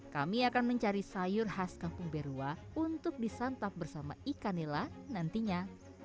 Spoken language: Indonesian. kami akan mencari sayur khas kampung berua untuk disantap bersama ikan nila nantinya